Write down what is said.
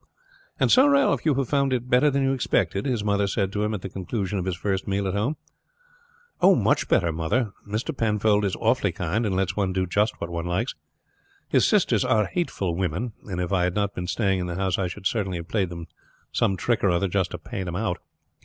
"And so, Ralph, you have found it better than you expected?" his mother said to him at the conclusion of his first meal at home. "Much better, mother. Mr. Penfold is awfully kind, and lets one do just what one likes. His sisters are hateful women, and if I had not been staying in the house I should certainly have played them some trick or other just to pay them out.